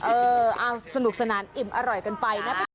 เออเอาสนุกสนานอิ่มอร่อยกันไปนะ